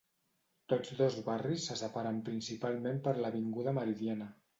Tots dos barris se separen principalment per l'Avinguda Meridiana.